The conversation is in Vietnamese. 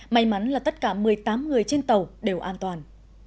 may mắn là tất cả một mươi tám người trên tàu đều an toàn